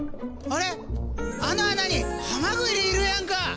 あの穴にハマグリいるやんか。